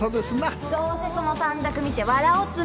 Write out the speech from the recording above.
どうせその短冊見て笑おうっつーんでしょ？